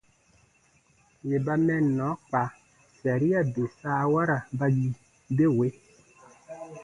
Yè ba mɛnnɔ kpa, saria bè saawara ba yi be wee: